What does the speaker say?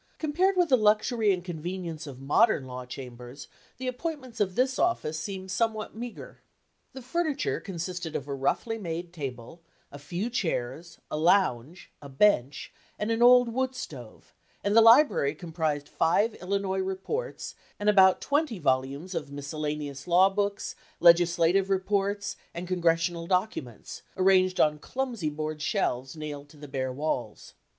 Compared with the luxury and convenience of modern law chambers, the appointments of this office seem somewhat meager. The furniture consisted of a roughly made table, a few chairs, a lounge, a bench, and an old wood stove, and the library com prised five Illinois Reports and about twenty vol umes of miscellaneous law books, legislative re ports, and congressional documents, arranged on clumsy board shelves nailed to the bare walls.